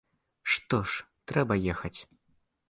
Што ж, трэба ехаць.